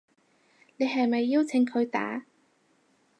你係咪邀請佢打